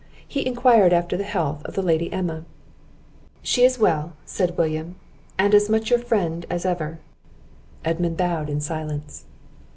He enquired after the health of the lady Emma. "She is well," said William, "and as much your friend as ever." Edmund bowed in silence.